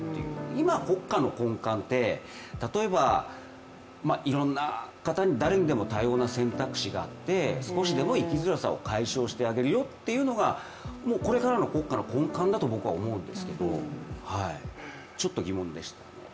今、国家の根幹って、例えばいろんな方に、誰にでも多様な選択肢があって、少しでも生きづらさを解消してあげるよというのがもうこれからの国家の根幹だと僕は思うんですけど、ちょっと疑問でしたね。